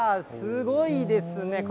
すごいですね。